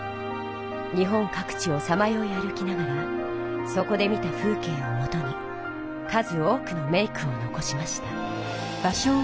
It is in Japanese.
日本かく地をさまよい歩きながらそこで見た風けいをもとに数多くの名句を残しました。